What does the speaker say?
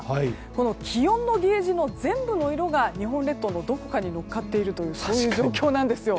この気温のゲージの全部の色が日本列島のどこかにのっかっているという状況なんです。